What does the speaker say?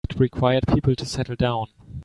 It required people to settle down.